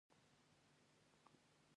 پانګوال لس میلیونه د شخصي لګښتونو لپاره اخلي